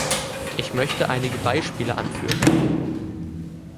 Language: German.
Ich möchte einige Beispiele anführen.